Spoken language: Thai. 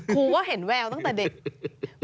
ครูก็เห็นแววตั้งแต่เด็ก